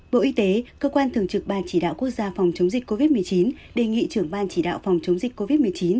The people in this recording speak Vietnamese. bộ y tế cơ quan thường trực ban chỉ đạo quốc gia phòng chống dịch covid một mươi chín đề nghị trưởng ban chỉ đạo phòng chống dịch covid một mươi chín